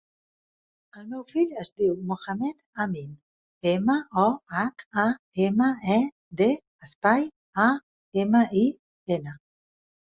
El meu fill es diu Mohamed amin: ema, o, hac, a, ema, e, de, espai, a, ema, i, ena.